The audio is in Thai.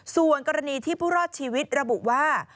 ส่วนกรณีที่ผู้รอดชีวิตระบุว่า